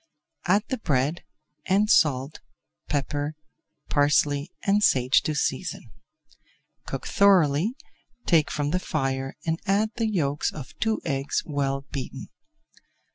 Add the bread, and salt, pepper, parsley, and sage to season. Cook thoroughly, take from the fire and add the yolks of two eggs well beaten.